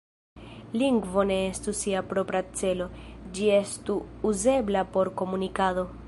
Lingvo ne estu sia propra celo, ĝi estu uzebla por komunikado.